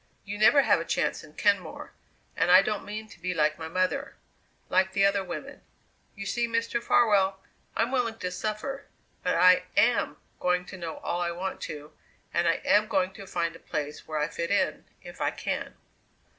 You never have a chance in Kenmore; and I don't mean to be like my mother like the other women. You see, Mr. Farwell, I'm willing to suffer, but I am going to know all I want to, and I am going to find a place where I fit in, if I can."